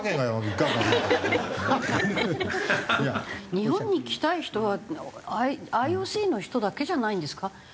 日本に来たい人はＩＯＣの人だけじゃないんですか？